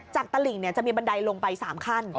จากตะหลิงจะมีบันไดลงไป๓ขั้น